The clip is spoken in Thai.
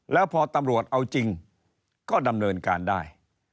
แล้วพอตำรวจเอาจริงก็ดำเนินการได้